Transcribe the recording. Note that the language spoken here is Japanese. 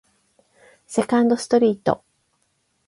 セカンドストリート